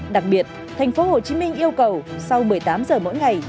đặc biệt tp hcm yêu cầu sau một mươi tám giờ mỗi ngày